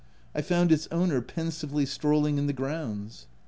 I found its owner pensively strol ling in the grounds.